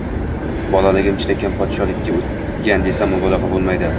Bolaligim chinakam poshsholikda o‘tgan, desam mubolag‘a bo‘lmaydi